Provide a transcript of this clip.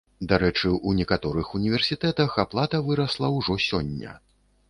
Дарэчы, у некаторых універсітэтах аплата вырасла ўжо сёння.